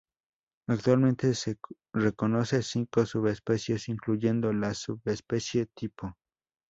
Actualmente se reconoce cinco subespecies, incluyendo la subespecie tipo.